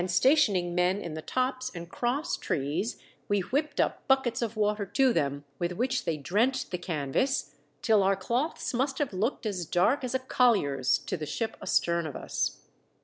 2 1 Stationing men in the tops and cross trees we whipped up buckets of water to them, with which they drenched the canvas, till our cloths must have looked as dark as a collier's to the ship astern of us.